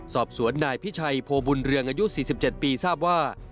สอบสวนนายพิชัยโพบุญเรืองอายุ๔๗ปีทราบว่า